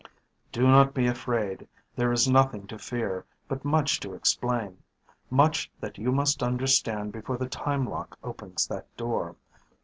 "Do not be afraid. There is nothing to fear, but much to explain. Much that you must understand before the time lock opens that door.